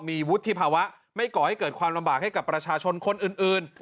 มีวุฒิภาวะไม่ก่อให้เกิดความลำบากให้กับประชาชนคนอื่น